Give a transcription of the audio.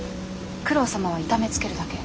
九郎様は痛めつけるだけ。